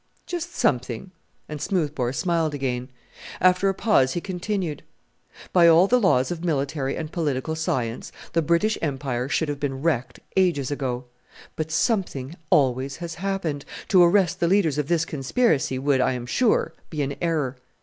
"Just something," and Smoothbore smiled again. After a pause he continued, "By all the laws of military and political science the British Empire should have been wrecked ages ago. But something always has happened. To arrest the leaders of this conspiracy would, I am sure, be an error.